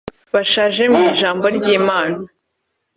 bashaje mu ijambo ry’Imana